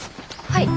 はい。